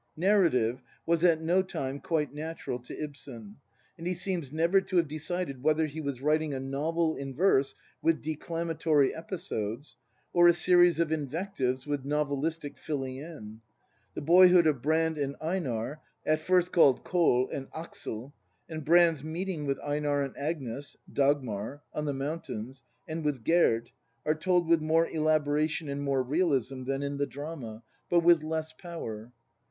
Narrative was at no time quite natural to Ibsen, and he seems never to have decided whether he was writing a novel in verse with declamatory episodes, or a series of invectives with novelistic filling in. The boyhood of Brand and Einar (at first called Koll and Axel), and Brand's meeting with Einar and Agnes (Dagmar) on the mountains, and with Gerd, are told with more elaboration and more realism than in the drama, ' Correspondence, Letter 17. INTRODUCTION 5 but with less power.